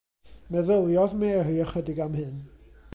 Meddyliodd Mary ychydig am hyn.